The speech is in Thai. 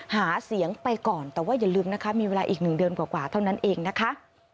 หาเสียงไปก่อนแต่ว่าอย่าลืมนะคะมีเวลาอีก๑เดือนกว่าเท่านั้นเองนะคะ